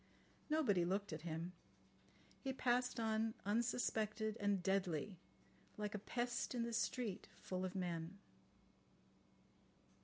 Nobody looked at him. He passed on unsuspected and deadly, like a pest in the street full of men.